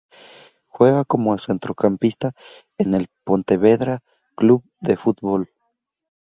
Juega como centrocampista en el Pontevedra Club de Fútbol.